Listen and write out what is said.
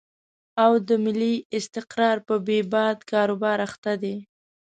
او د ملي استقرار په بې باد کاروبار اخته دي.